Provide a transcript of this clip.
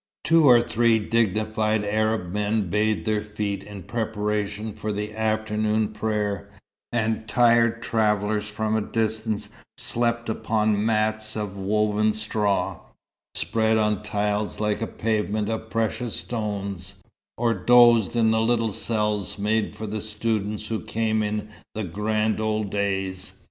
Two or three dignified Arab men bathed their feet in preparation for the afternoon prayer, and tired travellers from a distance slept upon mats of woven straw, spread on tiles like a pavement of precious stones, or dozed in the little cells made for the students who came in the grand old days.